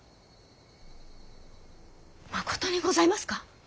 まことにございますか！？